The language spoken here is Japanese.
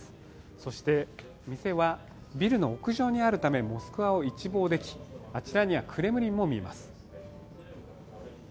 そして店はビルの屋上にあるためモスクワを一望できあちらにはクレムリンも見えます。